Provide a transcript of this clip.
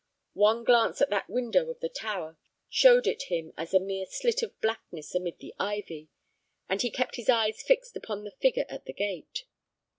One glance at that window of the tower showed it him as a mere slit of blackness amid the ivy, and he kept his eyes fixed upon the figure at the gate.